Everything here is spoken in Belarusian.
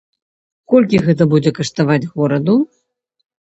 Колькі гэта будзе каштаваць гораду?